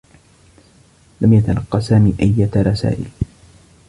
لم يتلقّ سامي أيّة رسائل.